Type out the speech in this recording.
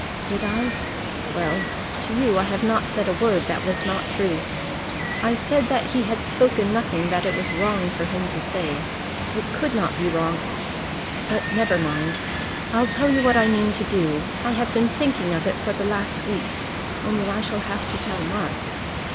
"Did I? Well, to you I have not said a word that was not true. I said that he had spoken nothing that it was wrong for him to say. It could not be wrong . But never mind. I'll tell you what I mean to do. I have been thinking of it for the last week only I shall have to tell Mark."